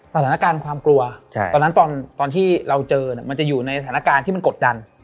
สถานการณ์ความกลัวตอนนั้นตอนที่เราเจอมันจะอยู่ในสถานการณ์ที่มันกดดัน